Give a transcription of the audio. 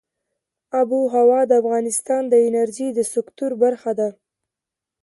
آب وهوا د افغانستان د انرژۍ د سکتور برخه ده.